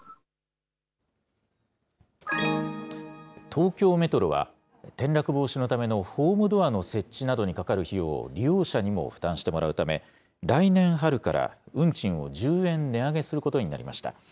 東京メトロは、転落防止のためのホームドアの設置などにかかる費用を利用者にも負担してもらうため、来年春から、運賃を１０円値上げすることになりました。